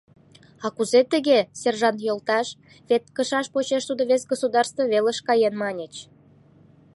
— А кузе туге, сержант йолташ, вет кышаж почеш тудо вес государство велыш каен, маньыч?